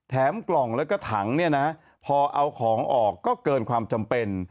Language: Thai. แถมกล่องแล้วก็ถังพอเอาของออกก็เกินความจำเป็น